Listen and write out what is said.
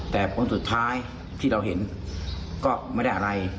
แต่ผลสุดท้ายที่เราเห็นก็ไม่ได้อะไร